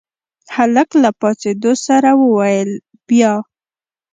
هلک له پاڅېدو سره وويل بيا.